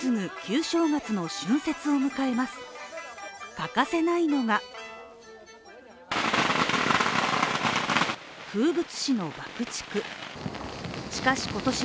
欠かせないのが風物詩の爆竹。